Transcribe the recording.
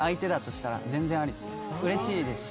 うれしいですし。